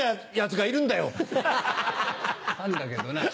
噛んだけどな。